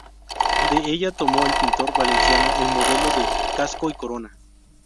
De ella tomó el pintor valenciano el modelo de casco y corona.